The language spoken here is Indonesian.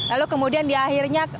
lalu kemudian di akhirnya